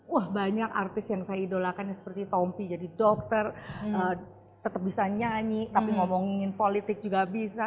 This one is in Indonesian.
wah banyak artis yang saya idolakan seperti tompi jadi dokter tetap bisa nyanyi tapi ngomongin politik juga bisa